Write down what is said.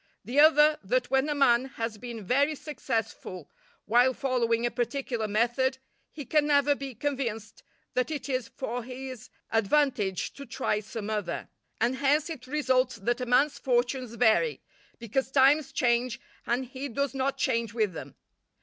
The other, that when a man has been very successful while following a particular method, he can never be convinced that it is for his advantage to try some other. And hence it results that a man's fortunes vary, because times change and he does not change with them.